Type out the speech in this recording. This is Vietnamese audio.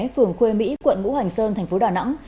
phường khuê mỹ quận ngũ hành sơn tp đà nẵng